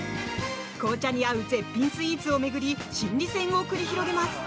紅茶に合う絶品スイーツを巡り心理戦を繰り広げます。